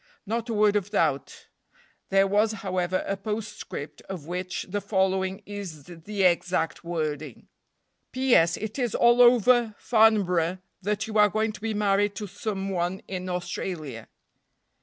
Not a word of doubt; there was, however, a postscript of which the following is the exact wording: "P. S. It is all over Farnborough that you are going to be married to some one in Australia."